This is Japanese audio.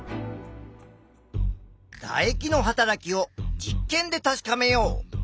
だ液のはたらきを実験で確かめよう！